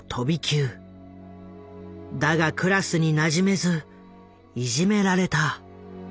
だがクラスになじめずいじめられた。